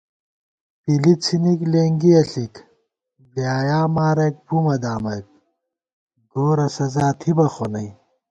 پِلی څھِنِک لېنگِیَہ ݪِک بۡلیایا مارَئیک بُمہ دامَئیک گورہ سزا تھِبہ خو نئ